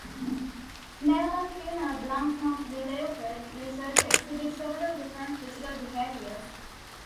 Male and female blunt-nosed leopard lizards exhibit several different physical behaviors.